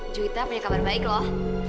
juita punya kabar baik loh